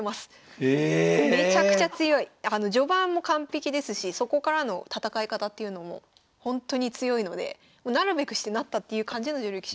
序盤も完璧ですしそこからの戦い方っていうのもほんとに強いのでなるべくしてなったっていう感じの女流棋士でした。